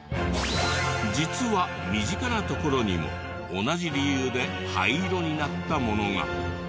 実は身近なところにも同じ理由で灰色になったものが。